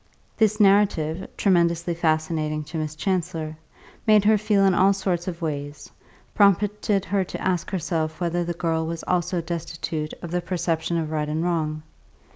This narrative, tremendously fascinating to Miss Chancellor, made her feel in all sorts of ways prompted her to ask herself whether the girl was also destitute of the perception of right and wrong.